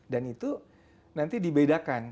dan itu nanti dibedakan